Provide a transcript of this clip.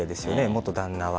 元旦那は。